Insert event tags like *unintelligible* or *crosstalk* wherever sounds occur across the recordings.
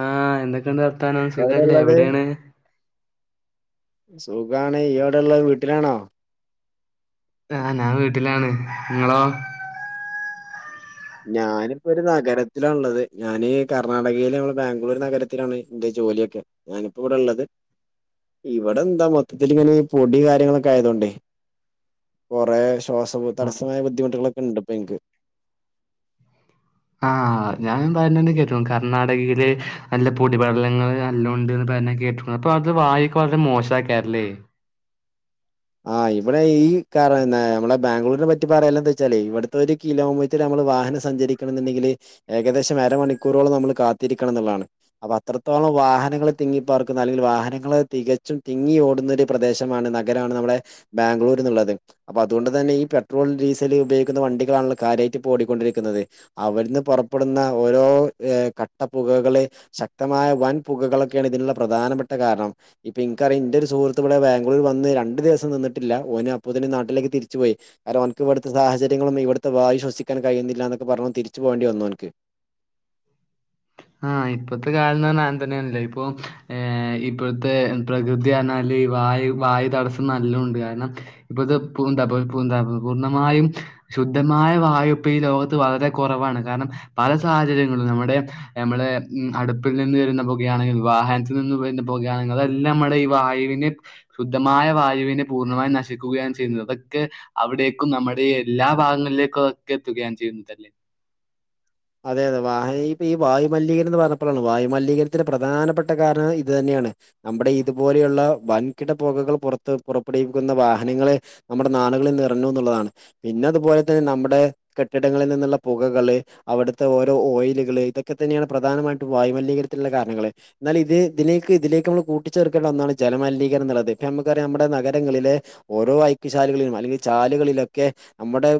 ആ എന്തൊക്കെയുണ്ട് വർത്താനം സുഖല്ലേ എവിടെള്ളത് എവിടെയാണ് സുഖാണ് ഈയ് എവിടെ ഉള്ളത് വീട്ടിലാണോ ആ ഞാൻ വീട്ടിലാണ് നിങ്ങളോ ഞാനിപ്പോ ഒരു നഗരത്തിലാ ഉള്ളത് ഞാന് കർണാടകയില് നമ്മള് ബാംഗ്ലൂർ നഗരത്തിലാണ് എന്റെ ജോലിയൊക്കെ ഞാനിപ്പോ ഇവിടെ ഉള്ളത് ഇവിടെ എന്താ മൊത്തത്തിൽ ഇങ്ങനെ പൊടി കാര്യങ്ങളൊക്കെ ആയതൊണ്ടേ കൊറെ ശ്വാസവും ആഹ് തടസ്സമായ ബുദ്ധിമുട്ടുകളൊക്കെ ഉണ്ട്പ്പോ എനിക്ക് ആ ഞാൻ പറഞണ്ട്കേട്ടിണ്ട് കർണാടകയില് നല്ല പൊടിപലങ്ങൾ എല്ലാം ഉണ്ട്ന്ന് കേട്ടിണ്ട് അപ്പൊ അത് വായുക്ക് വളരെ മോശാക്കാരല്ലെ ആഹ് ഇവിടെ ഈ നമ്മളെ ബാംഗ്ലൂരിനെ പറ്റി പറയലെന്താവെച്ചാലേ ഇവിടത്തെ ഒരു കിലോമീറ്റർ വാഹനം സഞ്ചരിക്കണംന്നുണ്ടെങ്കിൽ ഏകദേശം അരമണിക്കൂറോളം നമ്മൾ കാത്തിരിക്കണംന്നുള്ളാണ് അത്രത്തോളം വാഹനങ്ങൾ തിങ്ങിപ്പാർക്കുന്ന അല്ലെങ്കിൽ വാഹനങ്ങൾ തികച്ചും തിങ്ങി ഓടുന്ന ഒരു പ്രദേശമാണ് നഗര നമ്മടെ ബാംഗ്ലൂർ എന്നുള്ളത് അപ്പൊ അതുകൊണ്ട് തന്നെ ഈ പെട്രോൾ ഡീസൽ ഉപയോഗിക്കുന്ന വണ്ടികളാണല്ലോ കാര്യായിട്ട് ഓടിക്കൊണ്ടിരിക്കുന്നത് അവിടെന്ന് പുറപ്പെടുന്ന ഓരോ കട്ടപ്പുകകളെ ശക്തമായി ആയ വൻ പുകകളൊക്കെയാണ് ഇതിനുള്ള പ്രധാനപ്പെട്ട കാരണം ഇപ്പൊ ഇനിക്കറിയാം ഇന്റെ ഒരു സഹൃത്ത് ഇവിടെ ബാംഗ്ലൂർ വന്ന് രണ്ട് ദിവസം നിന്നിട്ടില്ല ഓന് അപ്പൊത്തിനും നാട്ടിലേക്ക് തിരിച്ചു പോയി കാരണം ഓൻക്ക് ഇവിടുത്തെ സാഹചര്യങ്ങളും ഇവിടുത്തെ വായു ശ്വസിക്കാനും കയ്യുന്നില്ലന്നൊക്കെ പറഞ്ഞ് തിരിച്ചു പോണ്ടി വന്നു ഓൻക്ക് ആ ഇപ്പത്തെ കാലന്ന് പറഞ്ഞാൽ അങ്ങനെ തന്നെയാണല്ലോ ഇപ്പൊ ഇപ്പോഴത്തെ പ്രകൃതി പറഞ്ഞ ല്ല വായു വായു തടസ്സം നല്ലോണ്ട് കാരണം ഇപ്പ ഇത് പൂന്താപ പൂന്ത പൂർണ്ണമായും ശുദ്ധമായ വായുപ്പ ഈ ലോകത്ത് വളരെ കുറവാണ് കാരണം പല സാഹചര്യങ്ങളും നമ്മുടെ നമ്മളെ അടുപ്പിൽ നിന്ന് വരുന്ന പുകയാണെങ്കിലും വാഹനത്തിൽ നിന്ന് വരുന്ന പുകയാണെങ്കിലും അതെല്ലാം നമ്മുടെ ഈ വായുവി ശുദ്ധമായ വായുവിനെ പൂർണമായും നശിക്കുകയാണ് ചെയ്യുന്നത് അതൊക്കെ അവിടേക്കും നമ്മുടെ എല്ലാ ഭാഗങ്ങളിലേക്കും ഒക്കെ എത്തുകയാണ് ചെയ്യുന്നത് അതെ അതെ വാഹങ്ങൾ ഇപ്പൊ ഈ വായുമലീകരണം എന്ന് പറഞ്ഞപ്പോഴാണ് വായുമലീകരണത്തിന്റെ പ്രധാനപ്പെട്ട കാരണം ഇത് തന്നെയാണ് നമ്മുടെ ഇതുപോലെയുള്ള വൻകിട പുകകൾ പുറത്ത് പുറപ്പെടുവിക്കുന്ന വാഹനങ്ങള നമ്മുടെ നാടുകളിൽ നിറഞ്ഞുന്നുള്ളതാണ് പിന്നെ അതുപോലെ തന്നെ നമ്മടെ കെട്ടിടങ്ങളിൽ നിന്നുള്ള പുകകള് അവിടുത്തെ ഓരോ ഓയിലുകള് ഇതൊക്കെ തന്നെയാണ് പ്രധാനമായിട്ടും വായുമലിനീകരണത്തിനുള്ള കാരണങ്ങള് എന്നാൽ ഇത് ഇതിനെ ഇതിലേക്ക് നമ്മൾ കൂട്ടിച്ചേർക്കേണ്ട ഒന്നാണ് ജലമലിനീകരണംന്നുള്ളത് ഇപ്പ നമുക്കറിയാം നമ്മുടെ നഗരങ്ങളിലെ ഓരോ അയ്ക്ക്ചാൽ അല്ലെങ്കിൽ ചാലുകളിലൊക്കെ നമ്മുടെ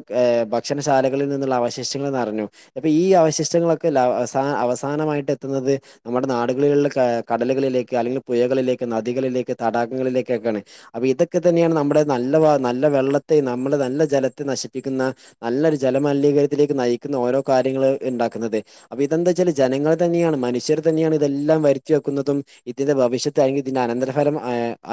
ഭക്ഷണശാലകളിൽ നിന്നുള്ള അവശിഷ്ടങ്ങൾ നെറഞ്ഞു അപ്പൊ ഈ അവശിഷ്ടങ്ങളൊക്കെ ലാ അവ അവസാനമായിട്ട് എത്തുന്നത് നമ്മുടെ നാടുകളിലുള്ള കടലുകളിൽ അല്ലെങ്കിൽ പുയകളിലേക്ക് നദികളിലേക്ക് തടാകങ്ങളിലേക്കൊകയാണ് അപ്പൊ ഇതൊക്കെ തന്നെയാണ് നമ്മടെ നല്ല നല്ല നല്ല വെള്ളത്തെ നമ്മള് നല്ല ജലത്തെ നശിപ്പിക്കുന്ന നല്ലരു ജല മലിനീകരത്തിലേക്ക് നയിക്കുന്ന ഓരോ കാര്യങ്ങള്ൾ ഉണ്ടാക്കുന്നത് അപ്പൊ ഇതെന്താ വെച്ചാല് ജനങ്ങൾ തന്നെയാണ് മനുഷ്യർ തന്നെയാണ് ഇതെല്ലാം വരുത്തി വെക്കുന്നതും ഇതിന്റെ ഭവിഷ്യത്താണെങ്കിൽ ഇതിന്റെ അനന്തര ഫലം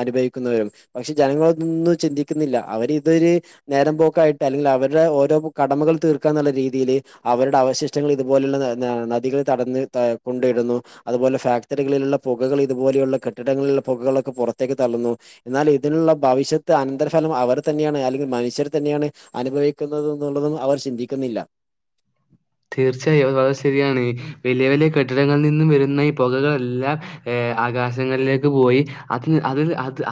അനുഭവിക്കുന്നവരും പക്ഷെ ജനങ്ങളോൊന്നും ചിന്തിക്കുന്നില്ല അവരി ഇതൊരു നേരം പോക്ക ആായിട്ട് അല്ലെങ്കിൽ അവരുടെ ഓരോ കടമകൾ തീർക്കാന്നുള്ള രീതിയില് അവരുടെ അവശിഷ്ടങ്ങൾ ഇതുപോലെയുള്ള നദികളെ തടന്ന കൊണ്ടിടുന്നു അതുപോലെ ഫാക്ടറികളിലുള്ള പുകകൾ ഇതുപോലെയുള്ള കെട്ടിടങ്ങളിലുള്ള പുകകളൊക്കെ പുറത്തേക്ക് തള്ളന്നു എന്നാൽ ഇതിനുള്ള ഭവിഷ്യത്ത് അനന്തരഫല അവർ തന്നെയാണ് അല്ലെങ്കിൽ മനുഷ്യർ തന്നെയാണ് അനുഭവിക്കുന്നത് എന്നുള്ളതന്നും അവർ ചിന്തിക്കുന്നില്ല *unintelligible* തീർച്ചയായും വളരെ ശരിയാണ് വലിയ വലിയ കെട്ടിടങ്ങളിൽ നിന്നും വരുന്ന ഈ പുകകളെല്ലാം ഏ ആകാശങ്ങളിലേക്ക് പോയി അ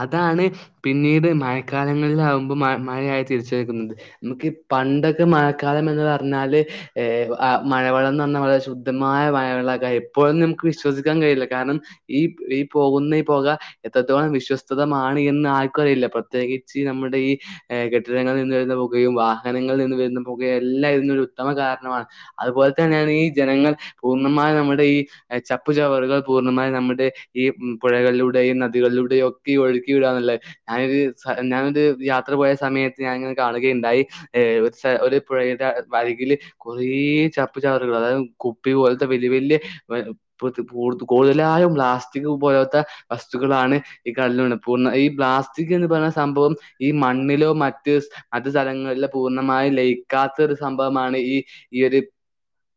അതാണ് പിന്നീട് മഴക്കാലങ്ങള മുമ്പ് മഴയായി തിരിച്ചക്കുന്നത് നമുക്ക് പണ്ടൊക്കെ മഴക്കാലംന്ന് പറഞ്ഞാല് ഏ മഴവെം എന്ന് പറഞ്ഞാൽ വളരെ ശുദ്ധമായ മഴവളക്ക എപ്പോഴും നമുക്ക് വിശ്വസിക്കാൻ കഴിയില്ല കാരണം ഈ ഈ പോകുന്ന ഈ പോക എത്രത്തോളം വിശ്വസ്തതമാണ് എന്ന് ആർക്കും അറിയില്ല പ്രത്യേകിച്ച് നമ്മുടെ ഈ കെട്ടിടങ്ങളിൽ നിന്ന് വരുന്ന പുകയും വാഹനങ്ങളിൽ നിന്ന് വരുന്ന പുകയും എല്ലാം ഇുന്ന ഒരു ഉത്തമ കാര അതുപോലെ തന്നെയാണ് ഈ ജനങ്ങൾ പൂർണ്ണമായും നമ്മുടെ ഈ ചപ്പു ചവറുകൾ പൂർണ്ണമായി നമ്മുടെ ഈ പുഴകളിലൂടെ ഈ നദികളിലൂടെ ഒക്കെ ഒഴുക്കി വിടന്നല്ലത് ഞാനൊ ഞാനൊ യാത്ര പോയ സമയത്ത് ഞാനിനെ കാണുകയുണ്ടായി ഒരു പുഴയുടെ വരികിൽ കുറേ ചപ്പു ചവറുകൾ അതായത് കുപ്പി പോലത്തെ വലിയ വലിയ ക കൂടുതലായ പ്ലാസ്റ്റിക് പോലാത്ത വസ്തുക്കളാണ് ഈ കട പൂർണ് ഈ പ്ലാസ്റ്റിക് എന്ന് പറയുന്ന സംഭവം ഈ മണ്ണിലോ മറ്റ് മറ്റ് തലങ്ങളിലോ പൂർണ്ണമായും ലയിക്കാത്ത ഒരു സംഭവമാണ് ഈ ഈത്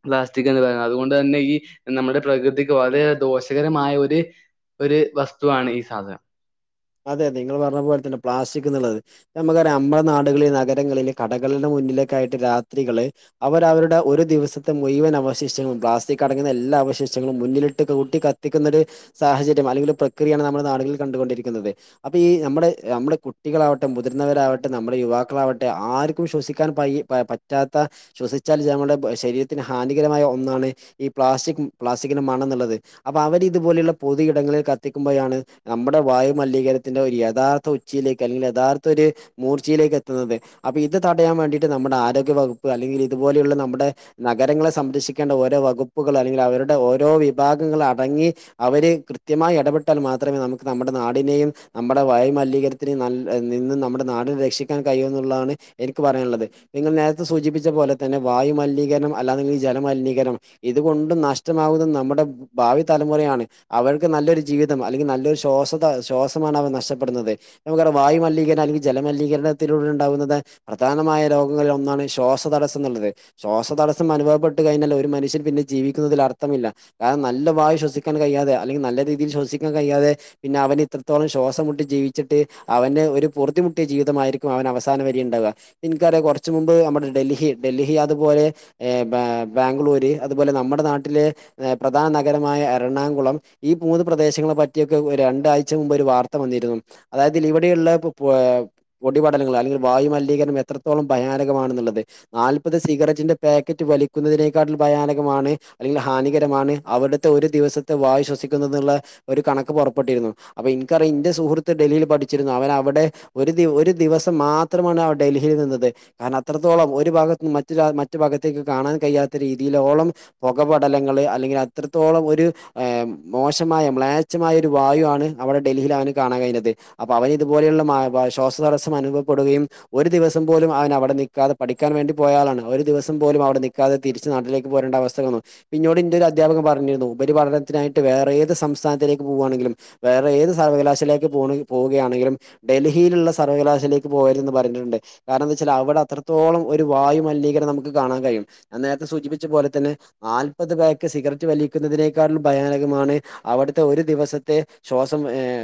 പ്ലാസ്റ്റിക് എന്ന് പറയുന്നത് അതുകൊണ്ട് തന്നെ ഈ നമ്മുടെ പ്രകൃതിക്ക് വളരെ ദോഷകരമായ ഒരു ഒരു വസ്തുവാണ് ഈ സാധനം അതെ അതെ നിങ്ങൾ പറഞ്ഞ പോലെ തന്നെ പ്ലാസ്റ്റിക് എന്നുള്ളത് നമ്മുക്കറ അമ്മടെ നാടുകളിൽ നഗരങ്ങളില് കടകളില മുന്നിലേക്ക ആയിട്ട് രാത്രികള് അവരുടെ ഒരു ദിവസത്തെ മുഴുവൻ അവശിഷ്ടങ്ങളും പ്ലാസ്റ്റിക് അടങ്ങുന്ന എല്ലാ അവശേഷങ്ങളളും മുന്നിലിട്ട് കൂട്ടി കത്തിക്കുന്നൊ ഒരു സാഹചര്യം അല്ലെങ്കിൽ ഒരു പ്രക്രിയാണ് നമ്മുടെ നാടുകളിൽ കണ്ടുകൊണ്ടിരിക്കുന്നത് അപ്പൊ ഈ നമ്മുടെ നമ്മുടെ കുട്ടികളാവട്ടെ മുതിർന്നവരാവട്ടെ നമ്മുടെ യുവാക്കളാവട്ടെ ആർക്കും ശ്വസിക്കാൻ പ പറ്റാത്ത ശ്വസിച്ചാൽ ഞങ്ങളുടെ ശരീരത്തിന് ഹാനികരമായ ഒന്നാണ് ഈ പ്ലാസ്റ്റിക് പ്ലാസ്റ്റിക്കിന് മണം എന്നുള്ളത് അപ്പൊ അവരി ഇതുപോലെയുള്ള പൊതു ഇടങ്ങളിൽ കത്തിക്കുമ്പോഴാണ് നമ്മുടെ വായ മലിനീകരണത്തിന്റെ ഒരു യഥാർത്ഥ ഉച്ചയിലേക്ക് അല്ലെങ്കിൽ യഥാർത്ഥ ഒരു മൂർച്ചയിലേക്ക് എത്തുന്നത് അപ്പൊ ഇത് തടയാ വണ്ടട്ട് നമ്മുടെ ആരോഗ്യ വകുപ്പ് അല്ലെങ്കിൽ ഇതുപലുള്ള നമ്മുടെ നഗരങ്ങളെ സംരക്ഷേണ്ട ഓരോ വകുപ്പുകൾ അല്ലെങ്കിൽ അവരുടെ ഓരോ വിഭാഗങ്ങൾ അടങ്ങി അവര് കൃത്യമായി ഇടപെട്ടാൽ മാത്രമേ നമുക്ക് നമ്മുടെ നാടിനെയും നമ്മടെ വായുമലീകരത്തിനും നിന്നും നമ്മുടെ നാടിന രക്ഷിക്കാൻ കഴിയുമ എന്നുള്ളതാണ് എനിക്ക് ക് പറയാനുള്ളത് നിങ്ങൾ നേരത്തെ സൂചിപ്പിച്ച പോലെ തന്നെ വായുമലിനീകരണം അല്ലാെങ്ക ജലമലിനീകരണം ഇത് കൊണ്ടും നഷ്ടമാകുന്നും നമ്മുടെ ഭാവി തലമുറയാണ് അവർക്ക് നല്ലൊരു ജീവിതം അല്ലെങ്കിൽ നല്ലൊരു ശ്വാസ ശ്വാസമാണ് അവർ നഷ്ടപ്പെടുന്നത് നമുക്കടെ വായുമലിനീകരണം അല്ലെങ്കിൽ ജലമലിനീകരണത്തിലൂടെ ഉണ്ടാകുന്നത് പ്രത്യ പ്രധാനമായ രോഗങ്ങളിൽ ഒന്നാണ് ശ്വാസതടസ്സംുള്ളത് ശ്വാസതടസ്സം അനുഭവപ്പെട്ട കഴിഞ്ഞൽ ഒരു മനുഷ്യൻ പിന്നെ ജി ജീവിക്കുന്നതിൽ അർഥമില്ല കാരണം നല്ല വായ ശ്വസിക്കാൻ കഴിയാതെ അല്ലെങ്കിൽ നല്ല രീയിൽ ശ്വസിക്കാൻ കഴിയാതെ പിന്നെ അവൻ ഇത്രത്തോളം ശ്വാസമ മുട്ടി ജീവിച്ചിട്ട് അവന്റെ ഒരു പുർദ്ധിമുട്ട ജീതമായിരിക്കും അവൻ അവസാന വരെയുണ്ടാവും പികാല കുറച്ച മുമ്പ് നമ്മുടെ ഡൽഹി ഡൽഹി അതുപോലെ ബെ ബെ ബാംഗ്ലൂര് അതുപോല നമ്മടെ നാട്ടിലെ പ്രധാന നര എറണാകുള ഈ മൂന്ന് പ്രശങ്ങളെ പറ്റെ രണ്ടാഴ്ച മുമ്പ് ഒരു വാർത്ത വന്നിരുന്നു അതായത് ഇവിടെയുള്ള പൊ പൊടിപടലങ്ങൾ അല്ലെങ്കിൽ വായ ലിനീകരണം എത്രത്തോളം ഭയാനകമാണുള്ളത് നാൽപ്പത് സിഗരറ്റിന്റെ പാക്കറ്റ് വലിക്കുന്നതിനേക്കാട്ടിൽ ഭയാനക ാണ് അല്ലെങ്കിൽ ഹാനികരമാണ് അവിടുത്തെ ഒരു ദിവസത്തെ വായു ശ്വസിക്കുന്ന എന്നുള്ള ഒരു കണക്ക് പൊ ിരുന്നു അപ്പൊ എനിക്കറിയ ഇന്റെ സുഹൃത്ത് ഡൽഹിയിൽ പഠിച്ചിരുന്നു അവൻ അവിടെ ഒരു ഒരു ദിവസം മാത്രമാണ് ഡൽഹിയിൽ നിന്നത് കാരണം അത്രത്തോളം ഒരു ഭാഗത്ത മറ്റു ഭാഗത്തേക്ക് കാണാൻ കഴിയാത്ത രീതിയില ഓ *unintelligible* പൊക പടലങ്ങൾ അല്ലെങ്കിൽ അത്രോ ഒരു എ മോശമായ മ്ലേച്ച മ ഒരു വായു ആ അവിടെ ഡൽഹിയിൽ അവ കാണാ കഴിഞ്ഞുന്നത് അപ്പൊ അവന് ഇതുപോലെയുള്ള ശ്വാസതടസ്സം അനുഭവപ്പെടുകയും ഒരു ദിവസം പോലും അവൻ അവിടെ നിക്കാതെ പഠിക്കാൻ വേണ്ടി പോയാളാണ് ഒരു ദിവസം പോലും അവിടെ ക്കതെ തിരിച്ചി നട്ടിലേ പോരെണ്ട അവസ്ഥ *unintelligible* ന്നോട് ഇന്റെ ഒരു അധ്യാപകം പറഞ്ഞിരുന്നു ഉപരിപഠനത്തിായിട്ട് വേറെ ഏത് സംസ്ഥാനത്തേക്ക് പോകുകയാണങ്കിലും വേറെ ഏത് സർവകലാശാലേക്ക് പോവുകയാണെങ്കിലും ഡൽഹിയിലുള്ള സർവകലാശയിലേക്ക് പോക കരുത് പറഞ്ഞിട്ടുണ്ട് കാരന്തൊൽ അവിടെ അത്രത്തോളം ഒരു വായു മലീകരണം നമുക്ക് കാണാൻ കഴിയും ഞാൻ നേരത്തെ സൂ സൂചിപ്പിച്ച പോലെ തന്നെ നാല്പത് പാക്ക് സിഗരറ്റ് വലിക്കുന്നതിനെക്കാളും ഭയാനകമാണ് അവിട ഒരു ദിവസത്തെ ശ്സം്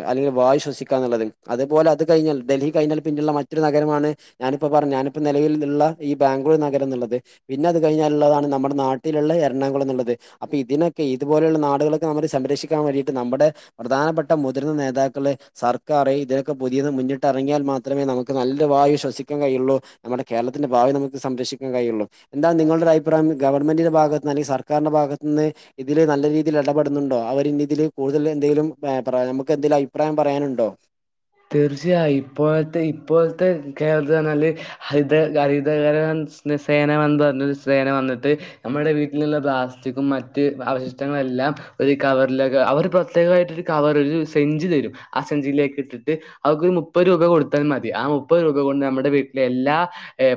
അല്ലെങ്ക വായു ശ്വിക്കാ എന്നുള്ളത് അതുപോലെ അത് കഴിഞ്ഞാൽ ഡൽഹി കഴിഞ്ഞാൽ മറ്റൊരു നഗരമാണ് ഞാനിപ്പോ പറഞ്ഞു ഞാനിപ്പോ നിലവിലുള്ള ഈ ബാംഗലൂർ നഗരം എന്നുള്ളത് പിന്നെ അത് കഴിഞ്ഞാൽ ള്ളതാണ് നമ്മുടെ നാട്ടിലുള്ള എറണാകുളം എന്നുള്ളത് അപ്പൊ ഇതിനൊക്കെ ഇതുപലുള്ള നാടുകളൊക്കെ നമ്മ സംരക്ഷിക്ക ണ്ടിട്ട് നമ്മുടെ പ്രധാനപ്പെട്ട മുതിർന്ന നേതാക്കള് സർക്കാർ ഇതിനൊക്കെ പുതിയത് മുന്നിട്ട് ഇറങ്ങിയാൽ മാത്രമേ നമുക്ക് നല്ലരു വവി ശ്വസിക്കൻ കഴിയുള്ളൂ നമ്മുടെ കേരളത്തിന്റെ ഭാവി നമു സംരക്ഷിക്കാൻ കഴിയുള്ളൂ എന്താ നി ുടെ അഭിപ്രായം ഗവൺമെന്റിന്റെ ഭാഗതുനിന്ന് ന അല്ലെങ്ക സർാന്റെ ഭാഗത്തുനിന്ന്തില് നല്ല രീതിയിൽ ഇടെടുന്നുണ്ടോ അവ എല് കൂടുതൽ എന്തെലും പ്ര നമുക്ക് എന്തേലും അഭിപ്രായം പറയാനുണ്ടോ തീർച്ചയായും ഇപ്പോഴത്തെ ഇപ്പോഴത്തെ കേരളത്തിഞ്ഞാൽ ഹരിത ഹരിതകര സേനന്ന് പറഞ്ഞ സേന വന്നിട്ട് നമ്മുടെ വീട്ടിലുള്ള പ്ലാസ്റ്റിക്കും മറ്റ് അവശിഷ്ടങ്ങള എല്ല കവറിലൊ അവര് പ്രത്യേകമായിട്ട ഒരു കവർ ഒരു സെഞ്ച് തരും ആ സെഞ്ചിലേക്ക് ഇട്ട്ട് അവക് മുപ്പത് രൂപ കൊടുത്താൽ മതി ആ മുപ്പത് രൂപ കൊണ്ട് നമ്മുടെ വീട്ടിലെ എല്ലാ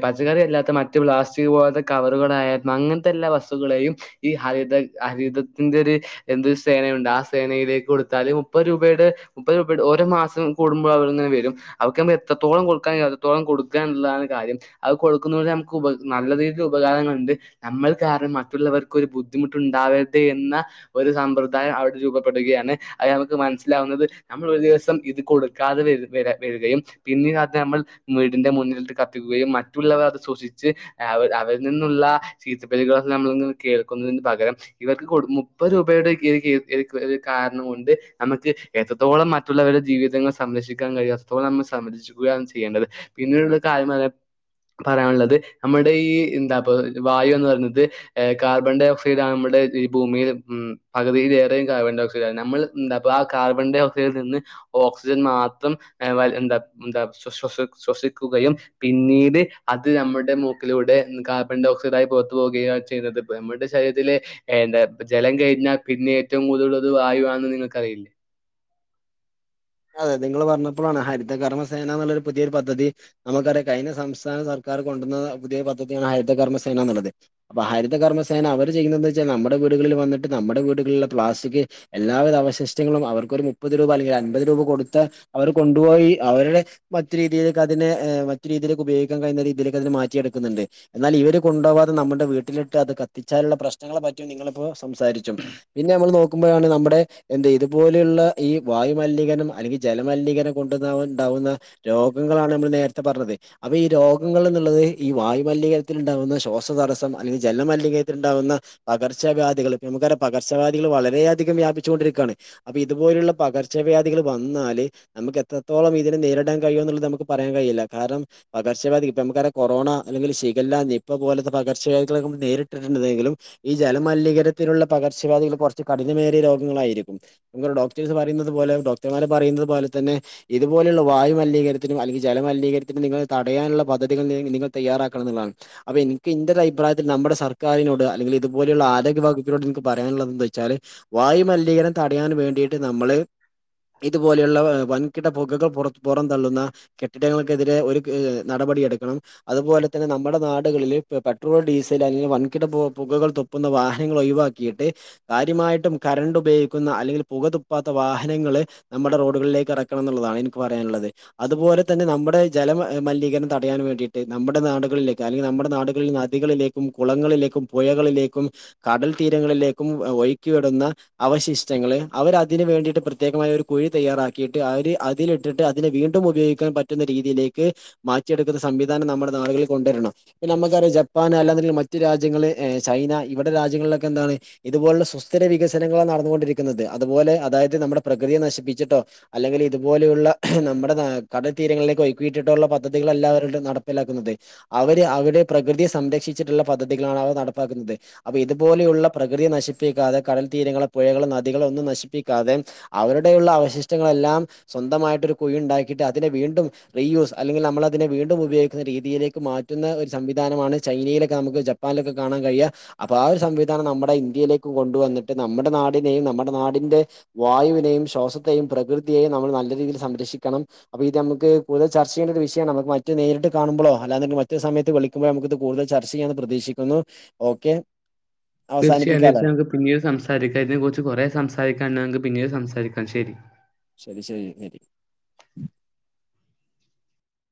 പച്ചക്കറി എല്ലാത്ത മറ്റ് പ്ലാസ്റ്റിക് പോ കവറുകളായാലും അങ്ങനത്തെ എല്ലാ വസ്തുക്കളെയും ഈ ഹത ഹരിതത്തി ഒരു എന്തരു സേനയുണ്ട് ആ സേനയിലേക്ക് കൊടുത്താല് മുപ്പത് രൂപയുടെ മുപ്പത് രൂപയുടെ ഓരോ മാസം കൂടുമ്പോ അവങ്ങനെ വരും അവർക്ക് എത്തോള കൊടുക്കാ എത്രത്തോളം കൊടുക്കാുള്ളതാണ് കാര്യം അവ കൊടുക്കുന്ന നല്ല രീതിൽ ഉപകാരുണ്ട് നമ്മൾ കാരണം മറ്റുള്ളവർക്ക് ഒരു ബുദ്ധിമുട്ടുണ്ടാവരുത് എന്ന ഒരു സമ്പ്രദായം അവിടെ രൂപപ്പെടുകയാണ് അത് നമുക്ക് മനസ്സിലാവുന്നത് നമ്മൾ ഒരു ദിവസം ഇത് കൊടുക്ക ാതെ വരി വരികയും പിന്നീട് അത് നമ്മൾ വീടിന്റെ മുന്നിലട്ട് കത്തിക്കുകയും മറ്റുള്ളവർ അത് സൊസി ച് അവരിൽ നിന്നുള്ള ചീത്ത പേരുകൾളൊല്ലാം നമ്മള കേൾക്കുന്നതിന് പകരം ഇവർക്ക് കൊട് മു മുപ്പ രൂപയുടെ കാരണം കൊണ്ട് നമുക്ക് എത്രത്തോളം മറ്റുള്ളവരുടെ ജീവിതങ്ങൾ സംരക്ഷിക്കാൻ കഴിയും അതോള നമ്മൾ സംരക്ഷിക്കുകയാണ് ചെയ്യേണ്ടത് പിന്നീടുള്ള കാര്യം *unintelligible* പറയാനുള്ളത് നമ്മുടെ ഈ എന്താപ്പ വായു എന്ന് പറയുന്നത് കാർബൺ ഡയ ഒക്സൈഡ ആണ് *unintelligible* *unintelligible* ഈ ഭൂമിൽ ഉ പകുതിയില ഏറെയും കാർബൺ ഡയോക്സൈഡ ആണ് നമ്മ എ ആ കാർബൺ ഡയ ഓക്സൈഡിൽ നിന്ന് ഓക്സ് ജൻ മാത്രം എ വല് ന്ത ന്ത ശൊ ശ് ശ്വസിക്കുകയും പിന്നീട് അത് നമ്മൾടെ മൂക്കിലൂടെ കാർബൺ ഡയ ഓക്സൈഡ ആയി പുറത്തു പോകുകയാണ് ചെയ്യുന്നത് നമ്മുടെ ശരീരത്തിലെന്താ ജലം കഴിഞ്ഞാൽ പിന്നെ ഏറ്റവും കൂടുതൽ അത് വായുവാന്ന് നിങ്ങക്കറിയില്ലേ അതെ നിങ്ങള് പറഞ്ഞപ്പോളാണ് ഹരിത കരണ സേന എന്നുള്ളൊരു പുതിയൊരു പദ്ധതി നമുക്കറാം കഴിഞ്ഞ സംസ്ഥാന സർക്കാർ കൊ പുതിയ പദ്ധതിയാണ് ഹരിത കർമ്മസേനന്നുള്ളത് അപ്പ ഹരിത കർമ്മസേന അവർ ചെയ്യുന്നത് വെച്ചാൽ നമ്മുടെ വീടുകളിൽ വന്നിട്ട് നമ്മുടെ വീട്കളിലുള്ള പ്ലാസ്റ്റിക് എല്ലാവിധ അവശിഷ്ടങ്ങളും അവർക്കൊരു മുപ്പത് രൂപ അല്ലങ്കി പത് രൂപ കൊടുത്ത അവർ കൊണ്ടുപോയി അവരുടെ മറ്റ രീതിയിലേക്ക് അതിനെ മറ്റു രീതിയിലേക്ക് ഉപയോഗിക്കാൻ കഴി രീതിയിലേക്ക് അതിന് മാറ്റിയെടുക്കുന്നുണ്ട്. എന്നാൽ ഇവര് കൊണ്ടോവാതെ നമ്മുടെ വീട്ടിലിട്ട് അത് കത്തിച്ചാലുള്ള പ്രശ്നങ്ങളെ പറ്റി ങ്ങളിപ്പോ സംസാരിച്ചം. പിന്നെ നമ്മൾ നോക്കുമ്പോഴാണ് നമ്മുടെ എന്ത ഇതുപോലെയുള്ള ഈ വായു മലിനീകരണം അല്ലെങ്കിൽ ജലമലീകരണം കൊണ്ട്ണ്ടാവുന്ന രോഗങ്ങളാണ് നമ്മൾ നേരത്തെ പറഞ്ഞത് അപ്പൊ ഈ രോഗങ്ങൾ എന്നുള്ളത് ഈ വായുമലിനീകരത്തിൽ ഉണ്ടാവുന്ന ശ്വാസതടസ്സം അല്ലെങ്കിൽ ജലമലിനകരത്തില്ണ്ടാവുന്ന *unintelligible* പകർച്ചവ്യാധികൾ പ്പഞമ്മക്കറിയക്ക പകർച്ച്യാധികൾ വളരേയധികം വ്യാപിച്ചൊണ്ടിരിക്കാണ് അപ്പൊ ഇത്പോലുള്ള പകർച്ച വ്യാധികൾ വന്നാല് നമുക്ക് എത്രത്തോളം ഇതിനെ നേരിടാൻ കഴിയുംന്നുള്ളത് നമുക്ക് പറയാൻ കയില്ല കാരണം പകർച വ്യാദി പ്പൊ നമുക്കറിയ കൊറോണ, അല്ലെങ്കില് ശിഗല്ല, നിപ്പ പോലത്തെ പകർവ്യാധികള മ്മള് നേരിട്ടിര്ണ്ടെങ്കിലും ഈ ജലമലിനീകരത്തിലുള്ള പകർച്ചവ്യാധികൾ കുറച്ച് കഠിനമേറിയ രോഗങ്ങളായിരിക്കും *unintelligible* ഡോക്ടേഴ്സ് പറയുന്നത് അതുപോലെ ഡോക്ടർമാര് പറയുന്നത് പോലെ തന്നെ ഇതുപോലുള്ള വായു മലീകരത്തിനും അല്ലെങ്കിൽ ജല മലിനീകരത്തിനും നിങ്ങ *unintelligible* തടയാനുള്ള പദ്ധതികൾ നിങ്ങൾ തയ്യാറാക്കണം എന്നാണ് അപ്പൊ എനിക്ക് ന്റര് അഭിപ്രായത്തി നമ്മുടെ സർക്കാരിനോട് അല്ലെങ്കിൽ അതുപോലുള്ള ആരോഗ്യ വകുപ്പിനോട്ക്ക് പറയാനുള്ളത് എന്താച്ചാല് വായുമലിനീകരണം തടയാൻ വേണ്ടിയിട്ട് നമ്മള് *inaudible* ഇതുപോലെയുള്ള വൻകിട പൊകകൾ പുറ പുറം തള്ളുന്ന കെട്ടിടങ്ങൾക്കെതിരെ ഒരു കേ നടപടിയ എടു ടുണം അതുപോലെ തന്നെ നമ്മുടെ നാടുകളിൽ പെട്രോൾ ഡീസൽ അല്ലെങ്കിൽ വൻകിട പുകൾ തുപ്പുന്ന വാഹന ങ്ങളൊയിവാക്കിയിട്ട് കാര്യമായിട്ടും കറണ്ട് ഉപയോഗിക്കുന്ന അല്ലെങ്കിൽ പുക തുപ്പാത്ത വാഹ നങ്ങള് നമ്മുടെ റോഡുകളിലേക്ക് ഇറക്കണം എന്നുള്ളതാണ് എനിക്ക് പറയാനുള്ളത് അതുപോലെ തന്നെ നമ്മുടെ ജല *unintelligible* തടയാൻ വേണ്ടിട്ട് നമ്മുടെ നാടുകളിലേക്കക്ക് അല്ലെങ്കിൽ നമ്മുടെ നാടുകളിൽ നദികളേക്കും കുളങ്ങളിലേക്കും പുയകളിലേക്ക് ക്കും കടൽ തീരങ്ങളിലേക്കും ഒഴിക്കിവിടുന്ന അവശിഷ്ടങ്ങൾ അവരതിന് വേണ്ടിട്ട് പ്രെ പ്രത്യേകമായ ഒരു കുഴി തയ്യാറാക്കിട്ട് അവര് അതിലിട്ടിട്ട് അതിനെ വീണ്ടും ഉപയോഗിക്കാൻ പറ്റുന്ന രീതിയിലേക്ക് മാ മാറ്റിയെടുക്കുന്ന സംവിധാനം നമ്മുടെ നാടുകളിൽ കൊണ്ടുവരണം പിന്നെ നമുക്കറിയാം ജപ്പാൻ അല്ലാങ്കിൽ മറ്റു രാജ്യങ്ങള് ചൈന ഇവിടെ രാജ്യങ്ങളിലൊക്കെ എന്താണ് ഇതുപോലുള്ള സുസ്ഥിര വികസനങ്ങളാ നടന്നുകൊണ്ടിരിക്കുന്നത് അതുപോലെ അതായത് നമ്മുടെ പ്രകൃതിയെ നശിപ്പിച്ചിട്ടോ അല്ലെങ്കിൽ ഇതുപോലെയുള്ള നമ്മുടെ കടൽ തീരങ്ങളിലക്ക് ഒക്കിയിട്ടിട്ടോള്ള പദ്ധതിക ല്ല അവരു നടപ്പിലാക്കുന്നത് അവര് അവരുടെ പ്രകൃതിയെ സംരക്ഷിച്ചിട്ടുള്ള പദ്ധതികളാണ് അവർ നടപ്പാക്കുന്നത് അപ്പൊ ഇതുപോലെയുള്ള പ്രകൃതിയെ നശിപ്പിക്കാതെ കടൽ തീരങ്ങള്ൾ പുഴകള് നദികള ഒന്നും നശിപ്പിക്കാതെ അവരുടെയുള്ള അവശിഷ്ടങ്ങളെല്ലാം സ്വന്തമായിട്ടൊരു കുഴി ഉണ്ടാക്കിയിട്ട് അതിനെ വീണ്ടും റീ യൂസ് അല്ലെങ്കിൽ നമ്മളെ അതിനെ വീണ്ടും ഉപയോഗിക്കുന്ന രീതിയിലേക്ക് മാറ്റുന്ന ഒരു സംവിധാനമാണ് ചൈനയിലൊക്കെ നമുക്ക് ജപ്പാനിലൊക്കെ കാണാൻ കഴിയാം അപ്പൊ ആ ഒരു സംവിധാനം നമ്മുടെ ഇന്ത്യയിലേക്കും കൊണ്ടുവന്നിട്ട് നമ്മുടെ നാടിനെയും നമ്മുടെ നാടിന്റെ വായുവി നെയും ശ്വാസത്തെയും പ്രകൃതിയെയും നമ്മൾ നല്ല രീതിയിൽ സംരക്ഷിക്കണം അപ്പൊ ഇത് നമുക്ക് കൂടുതൽ ചർച്ച ചെയ്യേണ്ട ഒരു വിഷയമാണ് മറ്റ നേരിട്ട് കാണുമ്പോഴോ അല്ലാതെ മറ്റു സമയത്ത് വിളിക്കുമ്പോഴ നമുക്കിത് കൂടുതൽ ചർച്ച ചെയ്യാന്ന് പ്രതീക്ഷിക്കുന്നു ഓക്കെ തീർച്ചയായും അവസാനിപ്പിക്കാല്ലേ? തീർച്ചയായും നക്ക് പിന്നീട് സംസാരിക്കാം ഇതിനെ കുറിച്ച് കുറേ സംസാരിക്കാക്ക് പിന്നീട് സംസാരിക്കാം ക്കാം ശരി ശരി ശരി ശരി